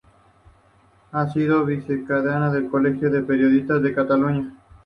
Ha sido vicedecana del Colegio de Periodistas de Cataluña.